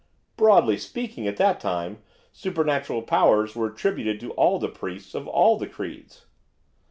'Broadly speaking, at that time, supernatural powers were attributed to all the priests of all the creeds.